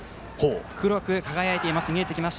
黒く輝いています。